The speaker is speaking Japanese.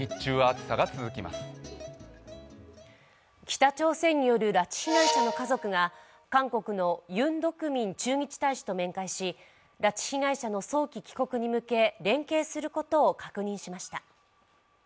北朝鮮による拉致被害者の家族が韓国のユン・ドクミン駐日大使と面会し拉致被害者の早期帰国に向け連携することを確認しました。